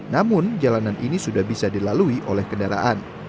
namun jalanan ini sudah bisa dilalui oleh kendaraan